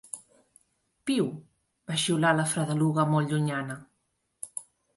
"Piu," va xiular la fredeluga, molt llunyana.